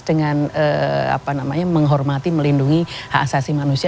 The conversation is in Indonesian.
dengan menghormati melindungi hak asasi manusia